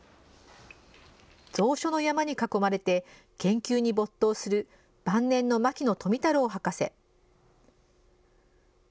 蔵書の山に囲まれて、研究に没頭する晩年の牧野富太郎博士。